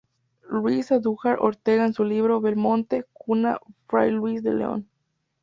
Luis Andújar Ortega en su libro ""Belmonte, cuna de Fray Luis de León.